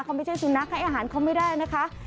เขาไม่ใช่สุนัขให้อาหารเขาไม่ได้นะคะ